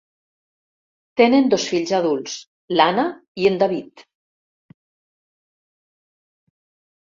Tenen dos fills adults, l'Anna i en David.